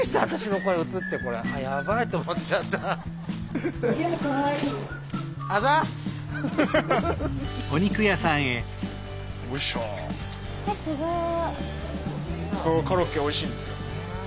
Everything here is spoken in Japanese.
ここコロッケおいしいんですよ。